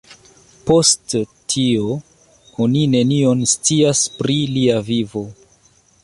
Post tio, oni nenion scias pri lia vivo.